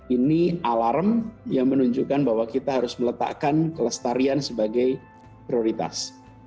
ini alarm yang menunjukkan bahwa kita harus meletakkan kelestarian sebagai prioritas